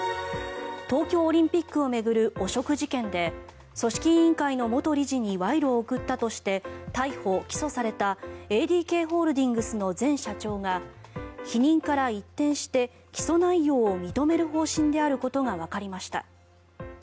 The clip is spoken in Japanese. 東京オリンピックを巡る汚職事件で組織委員会の元理事に賄賂を贈ったとして逮捕・起訴されたＡＤＫホールディングスの前社長が否認から一転して起訴内容を認める方針であることがわかりました。